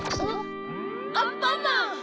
・アンパンマン！